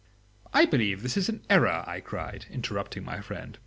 "I believe this is an error," I cried, interrupting my friend.